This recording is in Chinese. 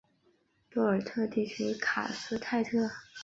多尔特地区卡斯泰特。